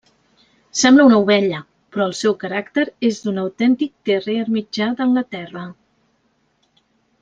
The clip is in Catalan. Sembla una ovella, però el seu caràcter és d'un autèntic terrier mitjà d'Anglaterra.